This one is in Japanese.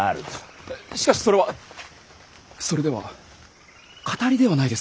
しかしそれはそれではかたりではないですか。